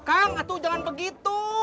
kang itu jangan begitu